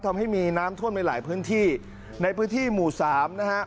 ทำให้มีน้ำท่วมในหลายพื้นที่ในพื้นที่หมู่สามนะฮะ